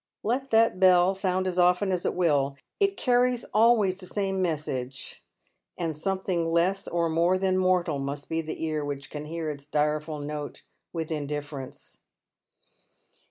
Let that beW Bound as often as it will, it carries always the same message, and something less or more than mortal must be the ear which can hear its direful note with indifference.